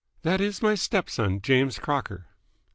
"That is my step son, James Crocker."